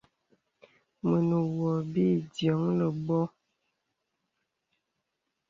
Mə nə wɔ bì ìtwì ləbô.